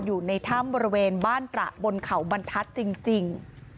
อยู่ในถ้ำบริเวณบ้านตระบนเขาบรรทัศน์จริง